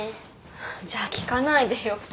じゃあ聞かないでよ。